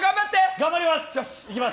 頑張ります！